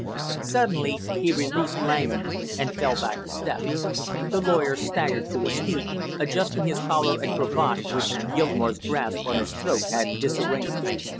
Suddenly he released Langham and fell back a step. The lawyer staggered to his feet, adjusting his collar and cravat which Gilmore's grasp on his throat had disarranged.